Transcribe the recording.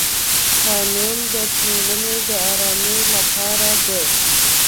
قانون د ټولنې د ارامۍ لپاره دی.